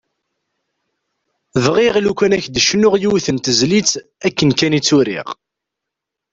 Bɣiɣ lukan ad k-d-cnuɣ yiwet n tezlit akken kan i tt-uriɣ.